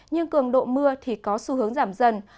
nhưng cường độ mưa thì có xu hướng giảm dần